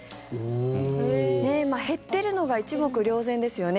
減ってるのが一目瞭然ですよね。